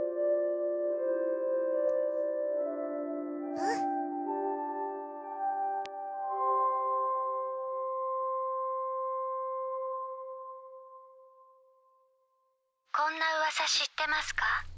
うんこんな噂知ってますか？